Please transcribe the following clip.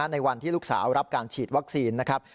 ในวันที่ลูกสาวรับการฉีดวัคซีนนะครับ